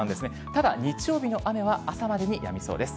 ただ日曜日の雨は朝までにやみそうです。